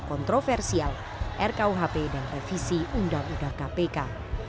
creator diphantchannel setelah saya